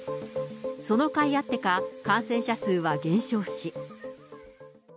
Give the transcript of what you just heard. そのかいあってか、感染者数は減少し。